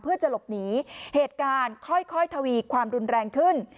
เพื่อจะหลบหนีเหตุการณ์ค่อยทวีความรุนแรงขึ้น